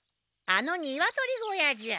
あのニワトリ小屋じゃ。